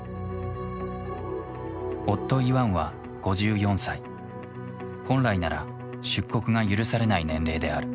夫イワンは５４歳本来なら出国が許されない年齢である。